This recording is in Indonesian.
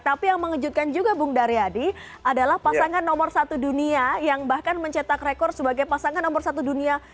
tapi yang mengejutkan juga bung daryadi adalah pasangan nomor satu dunia yang bahkan mencetak rekor sebagai pasangan nomor satu dunia